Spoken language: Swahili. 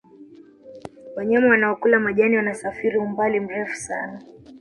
wanyama wanaokula majani wanasafiri umbali mrefu sana